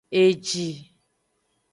Eji.